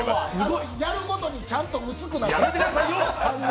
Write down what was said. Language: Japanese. やるごとにちゃんと反応が薄くなってくる。